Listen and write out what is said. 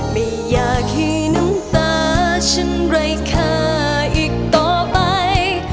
ไม่อยากให้น้ำตาฉันไร้ค่าอีกต่อไป